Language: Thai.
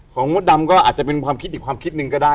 มดดำก็อาจจะเป็นความคิดอีกความคิดหนึ่งก็ได้